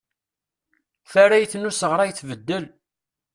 Tarrayt n usɣray tbeddel.